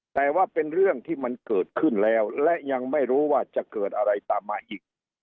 แต่ว่าเป็นเรื่องที่มันเกิดขึ้นแล้วและยังไม่รู้ว่าจะเกิดอะไรตามมาอีก